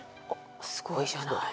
すごいじゃない。